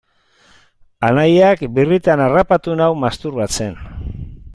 Anaiak birritan harrapatu nau masturbatzen.